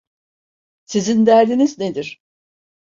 Sizin derdiniz nedir?